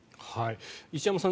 石山さん